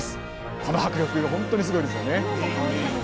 この迫力ほんとにすごいですよね